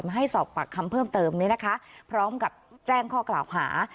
ให้สอบปากคำเพิ่มเติมนี้นะคะพร้อมกับแจ้งข้อกล่าวหา